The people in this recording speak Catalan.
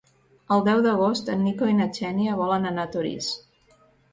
El deu d'agost en Nico i na Xènia volen anar a Torís.